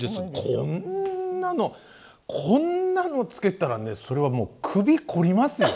こんなのこんなのつけたらねそれはもう首凝りますよ。